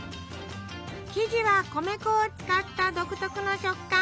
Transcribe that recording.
生地は米粉を使った独特の食感。